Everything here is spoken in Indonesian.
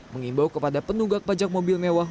mengimbau kepada penunggak pajak mobil mewah